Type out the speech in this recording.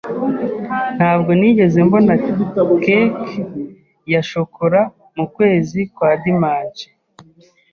Ntabwo nigeze mbona cake ya shokora mu kwezi kwa dimanche.